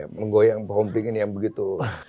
menggoyang home ping ini yang begitu